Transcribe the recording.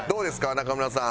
中村さん。